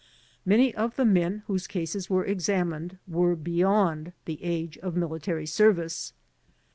Many of the men, whose cases were examined, were beyond the age of military service.